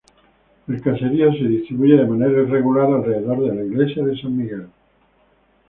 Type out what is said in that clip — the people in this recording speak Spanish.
El caserío se distribuye de manera irregular alrededor de la iglesia de San Miguel.